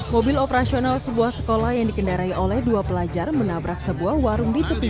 mobil operasional sebuah sekolah yang dikendarai oleh dua pelajar menabrak sebuah warung di tepi